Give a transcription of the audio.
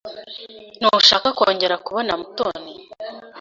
Ntushaka kongera kubona Mutoni?